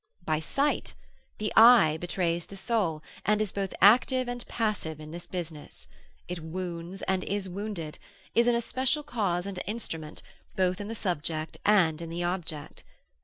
By sight: the eye betrays the soul, and is both active and passive in this business; it wounds and is wounded, is an especial cause and instrument, both in the subject and in the object.